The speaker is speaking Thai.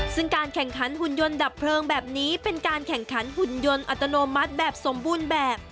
ซึ่งการแข่งขันหุ่นยนต์ดับเพลิงแบบนี้เป็นการแข่งขันหุ่นยนต์อัตโนมัติแบบสมบูรณ์แบบ